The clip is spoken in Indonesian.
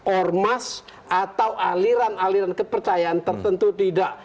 ormas atau aliran aliran kepercayaan tertentu tidak